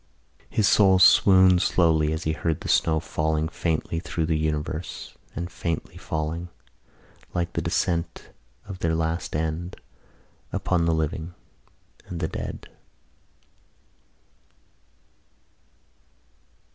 His soul swooned slowly as he heard the snow falling faintly through the universe and faintly falling, like the descent of their last end, upon all the living and the dead.